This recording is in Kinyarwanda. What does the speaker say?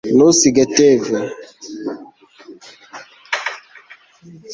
Ntusige TV